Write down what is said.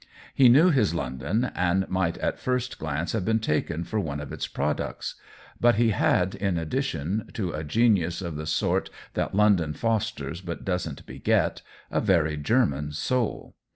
He knew his London and might at a first glance have been taken for one of its products ; but COLLABORATION 103 he had, in addition to a genius of the sort that London fosters but doesn't beget, a very German soul.